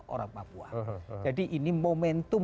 orang papua jadi ini momentum